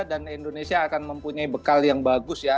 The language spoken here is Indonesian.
dan indonesia akan mempunyai bekal yang bagus ya